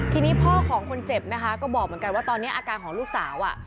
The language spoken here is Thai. ทีนี้พ่อของคนเจ็บนะคะก็บอกเหมือนกันว่าตอนนี้อาการของลูกสาวอ่ะ